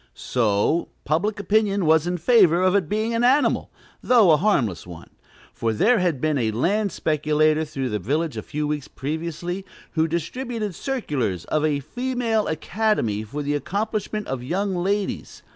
So, public opinion was in favor of its being an animal, though a harmless one; for there had been a land speculator through the village a few weeks previously, who distributed circulars of a "Female Academy" for the accomplishment of young ladies.